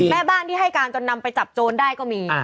แม่บ้านที่ให้การจนนำไปจับโจรได้ก็มี